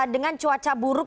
dengan cuaca buruk